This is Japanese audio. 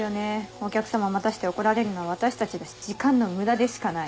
お客様待たせて怒られるのは私たちだし時間の無駄でしかない。